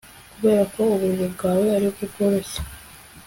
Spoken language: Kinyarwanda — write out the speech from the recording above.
Kuberako uburiri bwawe aribwo bworoshye